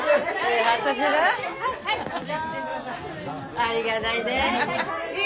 ありがだいねえ。